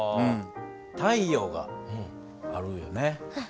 太陽があるよね。